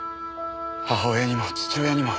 母親にも父親にも。